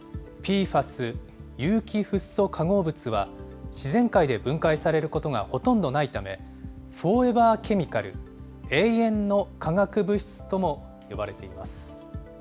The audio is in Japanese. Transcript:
ＰＦＡＳ・有機フッ素化合物は、自然界で分解されることがほとんどないため、フォーエバーケミカル・永遠の化学物質とも呼ばれています。